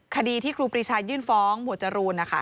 คดีที่ครูปรีชายื่นฟ้องหมวดจรูน